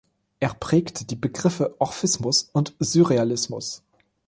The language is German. Er prägte die Begriffe "Orphismus" und "Surrealismus".